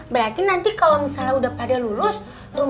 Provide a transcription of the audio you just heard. berarti nanti kalau misalnya udah pada lulus rumah kita ramai lulus mams